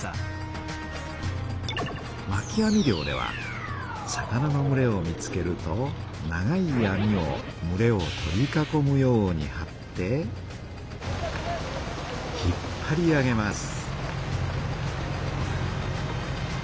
まき網漁では魚のむれを見つけると長い網をむれを取り囲むようにはって引っぱり上げます。